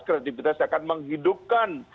kreativitas akan menghidupkan